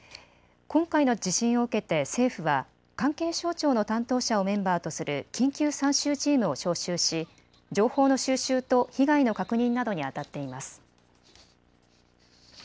今回の地震を受けて政府は関係省庁の担当者をメンバーとする緊急参集チームを招集し情報の収集と被害の確認などにあたっています。